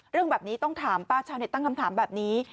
เรื่องแบบนี้ต้องถามป้าชาวเน็ตตั้งคำถามแบบนี้